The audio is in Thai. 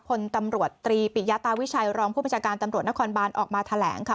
พลตำรวจตรีปิยาตาวิชัยรองผู้บัญชาการตำรวจนครบานออกมาแถลงค่ะ